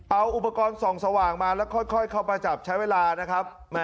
เอาอุปกรณ์ส่องสว่างมาแล้วค่อยเข้ามาจับใช้เวลานะครับ